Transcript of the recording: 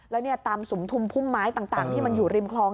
แล้วเนี่ยตามสุมทุมพุ่มไม้ต่างที่มันอยู่ริมคลอง